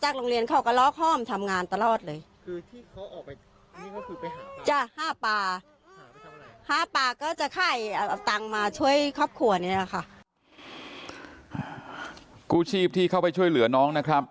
กู้ชีพที่เข้าไปช่วยเหลือน้องนะครับ